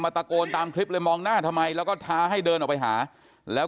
ตะโกนตามคลิปเลยมองหน้าทำไมแล้วก็ท้าให้เดินออกไปหาแล้ว